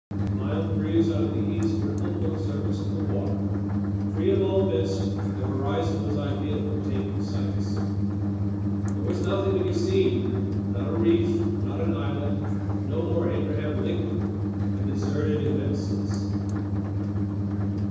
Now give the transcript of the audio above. A mild breeze out of the east rippled the surface of the water. Free of all mist, the horizon was ideal for taking sights. There was nothing to be seen. Not a reef, not an islet. No more Abraham Lincoln. A deserted immenseness.